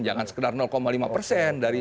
jangan sekedar lima persen